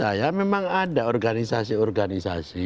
saya memang ada organisasi organisasi